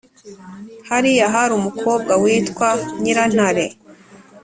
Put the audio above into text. hariya hari umukobwa witwa nyirantare,